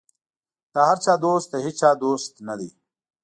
د هر چا دوست د هېچا دوست نه دی.